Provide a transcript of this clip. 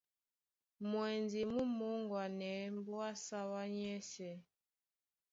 Mwɛndi mú mōŋgwanɛɛ́ mbóa á sáwá nyɛ́sɛ̄.